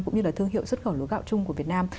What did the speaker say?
cũng như là thương hiệu xuất khẩu lúa gạo chung của việt nam